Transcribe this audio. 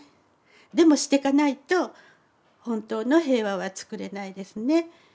でもしてかないと本当の平和はつくれないですね。